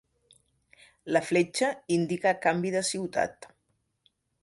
La fletxa indica canvi de ciutat.